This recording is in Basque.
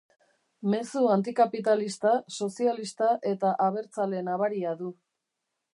Mezu antikapitalista, sozialista eta abertzale nabaria du.